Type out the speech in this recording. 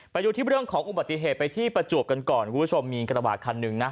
ไปดูที่เรื่องของอุบัติเหตุไปที่ประจวบกันก่อนคุณผู้ชมมีกระบาดคันหนึ่งนะ